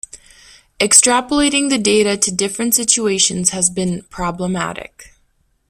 Extrapolating the data to different situations has been 'problematic'.